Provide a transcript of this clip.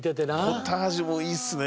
ポタージュもいいですね。